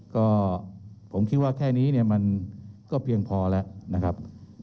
ก็ผมคิดว่าแค่นี้เนี่ยมันก็เพียงพอแล้วนะครับ